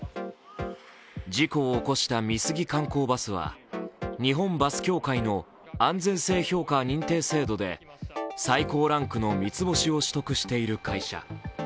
事故を起こした美杉観光バスは日本バス協会の安全性評価認定制度で最高ランクの三つ星を取得している会社。